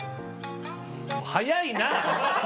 早いな！